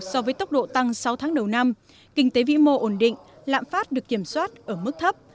so với tốc độ tăng sáu tháng đầu năm kinh tế vĩ mô ổn định lạm phát được kiểm soát ở mức thấp